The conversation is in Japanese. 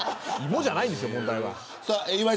芋じゃないんですよ、問題は。